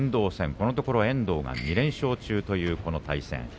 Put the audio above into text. このところ遠藤が２連勝中というこの対戦です。